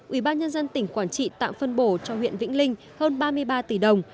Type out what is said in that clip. ủy ban nhân dân tỉnh quản trị tạm phân bổ cho huyện vĩnh linh hơn ba mươi ba tỷ đồng